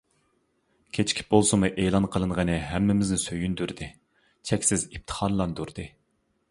كېچىكىپ بولسىمۇ ئېلان قىلىنغىنى ھەممىمىزنى سۆيۈندۈردى، چەكسىز ئىپتىخارلاندۇردى.